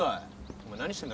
お前何してんだ？